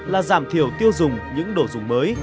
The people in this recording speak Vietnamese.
là giảm thiểu tiêu dùng những đồ dùng mới